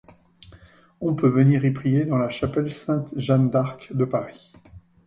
On peut venir y prier dans la chapelle Sainte-Jeanne-d'Arc de Paris.